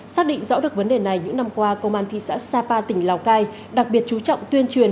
xác định rõ được vấn đề này những năm qua công an thị xã sapa tỉnh lào cai đặc biệt chú trọng tuyên truyền